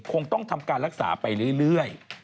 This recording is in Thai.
คงต้องทำการรักษาไปเรื่อย